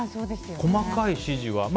細かい指示はね。